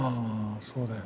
そうだよね。